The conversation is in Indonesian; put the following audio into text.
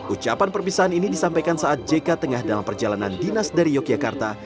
ucapan perpisahan ini disampaikan saat jk tengah dalam perjalanan dinas dari yogyakarta